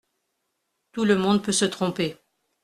Tout le monde peut se tromper.